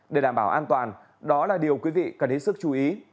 để đảm bảo an toàn đó là điều quý vị cần hết sức chú ý